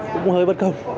cũng hơi bất công